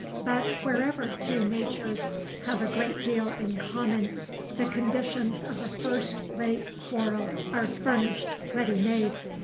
But wherever two natures have a great deal in common, the conditions of a first rate quarrel are furnished ready made.